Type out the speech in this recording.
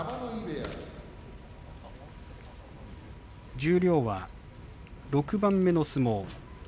十両は６番目の相撲。